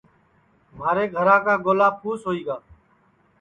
مھارے گھرا کا گولا پُھس ہوئی گا